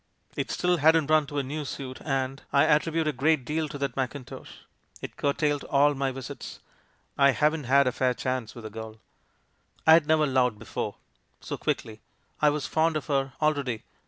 It still hadn't run to a new suit, and — I attribute a great deal to that mackintosh ! it cur tailed all my visits, I haven't had a fair chance with the girl. "I had never loved before — so quickly; I was fond of her already.